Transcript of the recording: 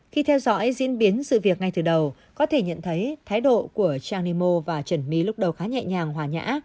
khi theo dõi diễn biến sự việc ngay từ đầu có thể nhận thấy thái độ của trang nemo và trần mỹ lúc đầu khá nhẹ nhàng hòa nhã